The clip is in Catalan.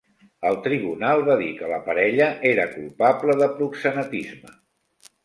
El tribunal va dir que la parella era culpable de proxenetisme.